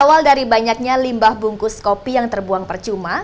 awal dari banyaknya limbah bungkus kopi yang terbuang percuma